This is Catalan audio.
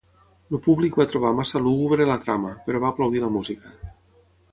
El públic va trobar massa lúgubre la trama, però va aplaudir la música.